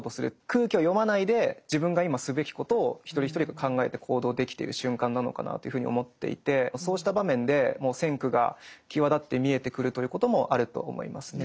空気を読まないで自分が今すべきことを一人一人が考えて行動できている瞬間なのかなというふうに思っていてそうした場面でも「先駆」が際立って見えてくるということもあると思いますね。